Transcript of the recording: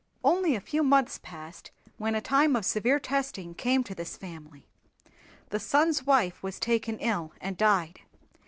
Only a few months passed when a time of severe testing came to this family. The son's wife was taken ill and died.